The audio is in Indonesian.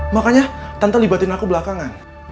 makanya tanpa libatin aku belakangan